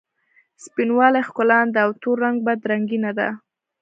سپین والې ښکلا نه ده او تور رنګ بد رنګي نه ده.